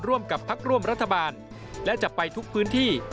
ร่วมกับพักร่วมรัฐบาลและจะไปทุกพื้นที่